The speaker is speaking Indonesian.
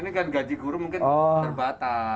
ini kan gaji guru mungkin terbatas